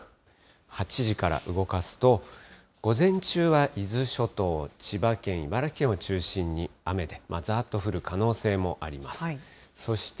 ８時から動かすと、午前中は伊豆諸島、千葉県、茨城県を中心に雨がざーっと降る可能性もあります。